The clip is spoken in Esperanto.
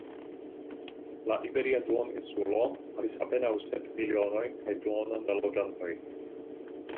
La Iberia Duoninsulo havis apenaŭ sep milionojn kaj duonon da loĝantoj.